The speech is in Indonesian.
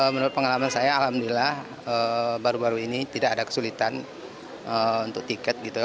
menurut pengalaman saya alhamdulillah baru baru ini tidak ada kesulitan untuk tiket gitu